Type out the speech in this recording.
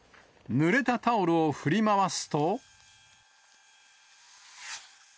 ぬれたタオルを振り回すと。